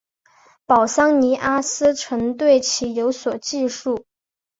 保桑尼阿斯曾对其有所记述。